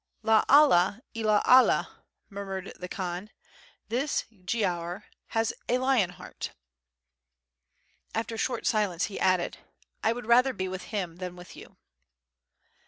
"La Allah ila Allah," murmured the Khan, "this Giaour has a lion heart." After a short silence he added: "I would rather be with him than with you."